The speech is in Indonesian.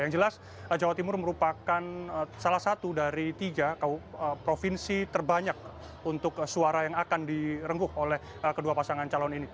yang jelas jawa timur merupakan salah satu dari tiga provinsi terbanyak untuk suara yang akan direngguh oleh kedua pasangan calon ini